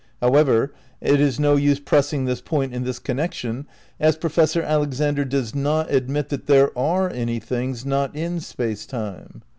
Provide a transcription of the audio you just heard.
However, it is no use pressing this point in this connection, as Professor Alexander does not admit that there are any things not in Space Time.